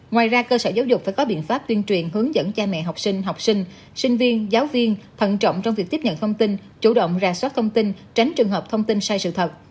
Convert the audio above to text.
ngoài ra cơ sở giáo dục phải có biện pháp tuyên truyền hướng dẫn cha mẹ học sinh học sinh sinh viên giáo viên thận trọng trong việc tiếp nhận thông tin chủ động ra soát thông tin tránh trường hợp thông tin sai sự thật